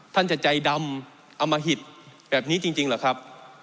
ท่านจะใจดำอมหิตแบบนี้จริงเหรอครับ